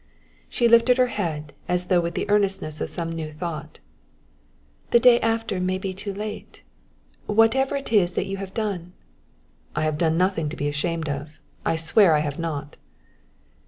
She lifted her head, as though with the earnestness of some new thought. "The day after may be too late. Whatever it is that you have done " "I have done nothing to be ashamed of, I swear I have not!"